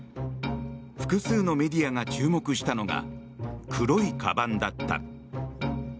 複数のメディアが注目したのが黒いかばんだった。